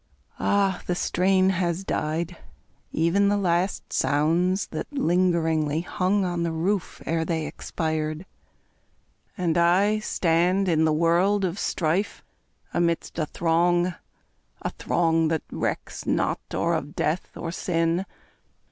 Ah, the strain Has died ev'n the last sounds that lingeringly Hung on the roof ere they expired! And I, Stand in the world of strife, amidst a throng, A throng that recks not or of death, or sin!